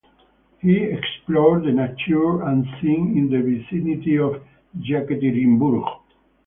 He explored the nature and sights in the vicinity of Yekaterinburg.